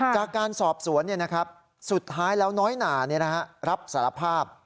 กาการสอบสวนสุดท้ายน้อยนานั้นนี้รับสารภาพ